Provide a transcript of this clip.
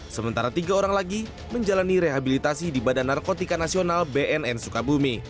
sementara tiga orang lagi menjalani rehabilitasi di badan narkotika nasional bnn sukabumi